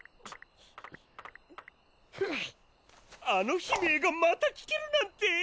あの悲鳴がまた聞けるなんて！